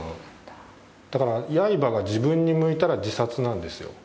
だから、刃が自分に向いたら自殺なんですよ。